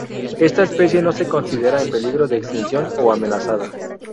Esta especie no se considera en peligro de extinción o amenazada.